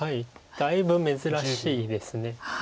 だいぶ珍しいです。